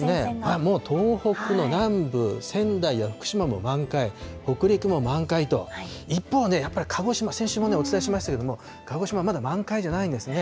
もう東北の南部、仙台や福島も満開、北陸も満開と、一方、やっぱり鹿児島、先週もお伝えしましたけれども、鹿児島、まだ満開じゃないんですね。